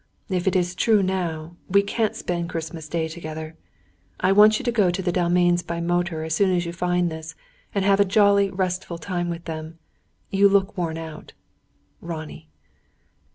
If it is true now, we can't spend Christmas Day together. "I want you to go to the Dalmains by motor, as soon as you find this, and have a jolly, restful time with them. You look worn out. "RONNIE."